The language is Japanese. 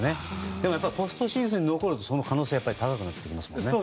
でも、ポストシーズンに残るとその可能性は高くなってきますよね。